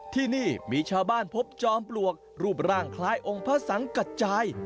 ที่นี่มีชาวบ้านพบจอมปลวกรูปร่างคล้ายองค์พระสังกัจจาย